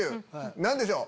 何でしょう？」。